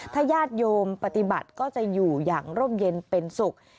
ถ้าญาติโยมปฏิบัติก็จะอยู่อย่างร่มเย็นเป็นสุข